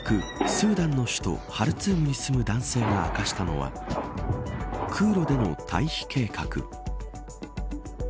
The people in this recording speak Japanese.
スーダンの首都ハルツームに住む男性が明かしたのは空路での退避計画。